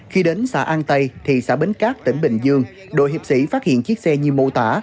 khi đến xã an tây thị xã bến cát tỉnh bình dương đội hiệp sĩ phát hiện chiếc xe như mô tả